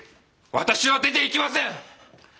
私は出ていきません！